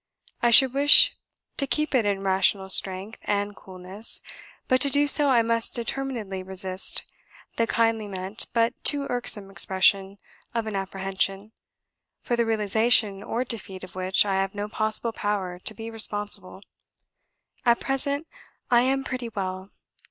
I should wish to keep it in rational strength and coolness; but to do so I must determinedly resist the kindly meant, but too irksome expression of an apprehension, for the realisation or defeat of which I have no possible power to be responsible. At present, I am pretty well.